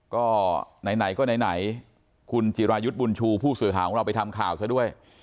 ก็ไหนก็ไหนคุณจิรายุทธ์บุญชูผู้สื่อข่าวของเราไปทำข่าวซะด้วย